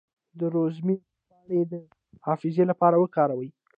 د روزمیری پاڼې د حافظې لپاره وکاروئ